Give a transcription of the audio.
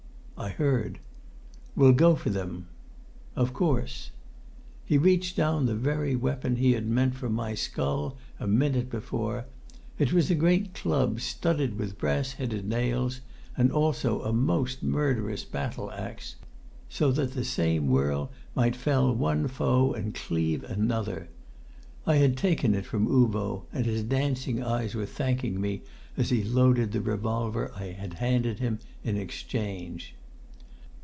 "I heard." "We'll go for them!" "Of course." He reached down the very weapon he had meant for my skull a minute before. It was a great club, studded with brass headed nails, and also a most murderous battle axe, so that the same whirl might fell one foe and cleave another. I had taken it from Uvo, and his dancing eyes were thanking me as he loaded the revolver I had handed him in exchange.